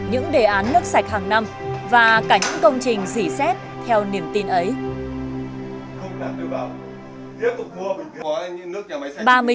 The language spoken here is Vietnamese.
những đề án nước sạch hàng năm và cả những công trình dỉ xét theo niềm tin ấy